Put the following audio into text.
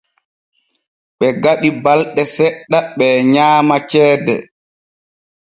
Ɓe gaɗi balɗe seɗɗa ɓee nyaama ceede.